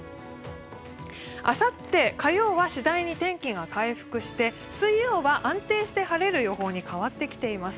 あさって、火曜は次第に天気が回復して水曜は安定して晴れる予報に変わってきています。